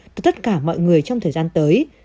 từ tất cả mọi người trong thời gian tới